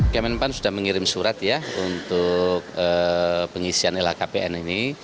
kemenpan sudah mengirim surat ya untuk pengisian lhkpn ini